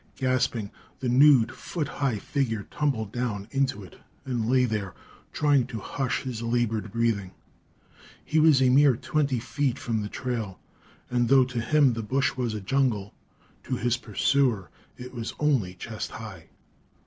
Gasping, the nude, foot high figure tumbled down into it, and lay there, trying to hush his labored breathing. He was a mere twenty feet from the trail; and though to him the bush was a jungle, to his pursuer it was only chest high.